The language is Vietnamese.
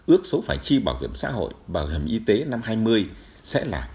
ước số phải chi bảo hiểm xã hội bảo hiểm y tế năm hai nghìn hai mươi sẽ là một trăm bốn mươi tỷ đồng